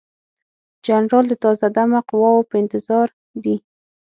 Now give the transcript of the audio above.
جنرالان د تازه دمه قواوو په انتظار دي.